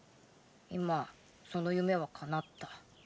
今その夢は叶った。